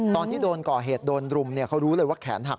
ตอนที่โดนก่อเหตุโดนรุมเขารู้เลยว่าแขนหัก